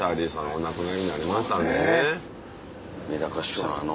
お亡くなりになりましたんでね。